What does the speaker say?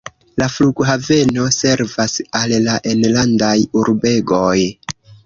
La flughaveno servas al la enlandaj urbegoj.